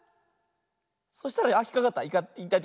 そしたらあっひっかかった。